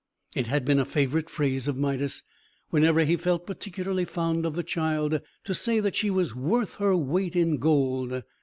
It had been a favourite phrase of Midas, whenever he felt particularly fond of the child, to say that she was worth her weight in gold.